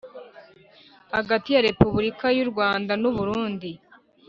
hagati ya Repubulika yu Rwanda nu Burundi